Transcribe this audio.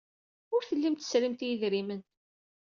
Ur tellimt tesrimt i yedrimen.